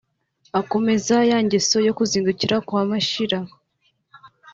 akomeza ya ngeso yo kuzindukira kwa Mashira